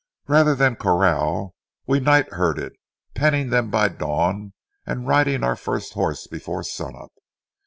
Rather than corral, we night herded, penning them by dawn and riding our first horse before sun up.